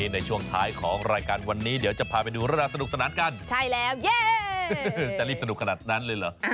ในช่วงท้ายของรายการวันนี้เดี๋ยวจะพาไปดูเรื่องราวสนุกสนานกันใช่แล้วเย่จะรีบสนุกขนาดนั้นเลยเหรอ